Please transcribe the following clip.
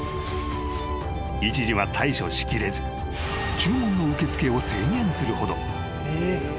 ［一時は対処しきれず注文の受け付けを制限するほど］